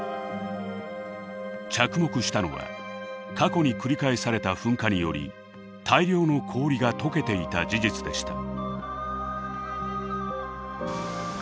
着目したのは過去に繰り返された噴火により大量の氷が解けていた事実でした。